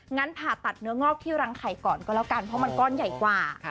งั้นผ่าตัดเนื้องอกที่รังไข่ก่อนก็แล้วกันเพราะมันก้อนใหญ่กว่า